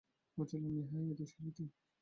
বুঝিলাম, ইহাই এই দেশের রীতি।